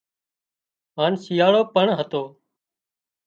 هانَ شيئاۯو پڻ هتو